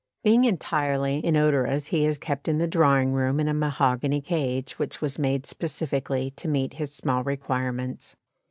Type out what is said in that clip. Being entirely inodorous he is kept in the drawing room in a mahogany cage which was made specially to meet his small requirements.